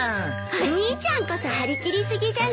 お兄ちゃんこそ張り切り過ぎじゃない。